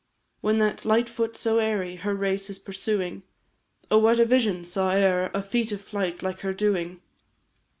When that lightfoot so airy, Her race is pursuing, Oh, what vision saw e'er a Feat of flight like her doing?